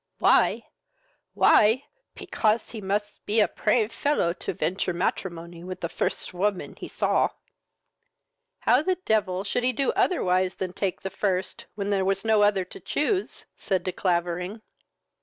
"Why? why? pecause he must be a prave fellow to venture matrimony with the first woman he saw." "How the devil should he do otherwise than take the first, when there was no other to choose!" said De Clavering.